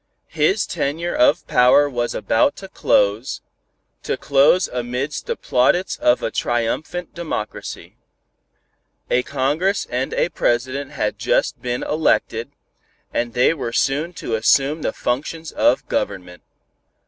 His tenure of power was about to close, to close amidst the plaudits of a triumphant democracy. A Congress and a President had just been elected, and they were soon to assume the functions of government.